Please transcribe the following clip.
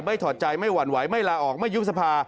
ไม่หวั่นไหวไม่ละออกไม่ยุบสภา